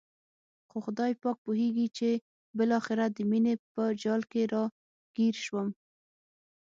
خو خدای پاک پوهېږي چې بالاخره د مینې په جال کې را ګیر شوم.